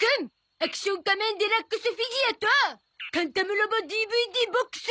アクション仮面デラックスフィギュアとカンタムロボＤＶＤＢＯＸ